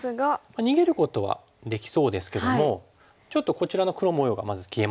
逃げることはできそうですけどもちょっとこちらの黒模様がまず消えますよね。